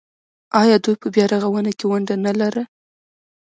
آیا دوی په بیارغونه کې ونډه نلره؟